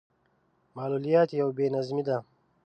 معلوليت يو بې نظمي ده.